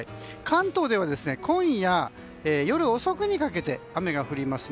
関東では今夜、夜遅くにかけて雨が降ります。